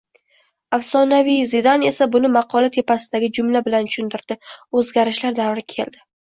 Afsonaviy Zidan esa buni maqola tepasidagi jumla bilan tushuntirdi – “o‘zgarishlar davri keldi!”